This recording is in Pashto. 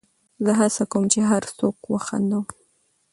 زه هڅه کوم، چي هر څوک وخندوم.